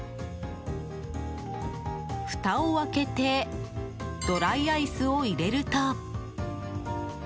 ふたを開けてドライアイスを入れると。